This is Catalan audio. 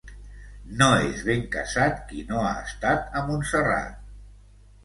No és ben casat qui no ha estat a Montserrat.